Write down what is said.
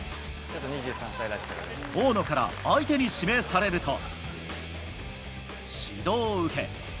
大野から相手に指名されると、指導を受け。